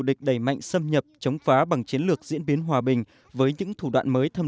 địch đẩy mạnh xâm nhập chống phá bằng chiến lược diễn biến hòa bình với những thủ đoạn mới thâm